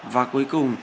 và cuối cùng